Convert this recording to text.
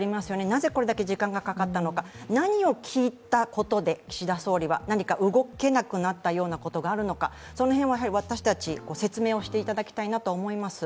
なぜこれだけ時間がかかったのか何を聞いたことで岸田総理は何か動けなくなったようなことがあるのか、その辺は私たち、説明をしていただきたいなと思います。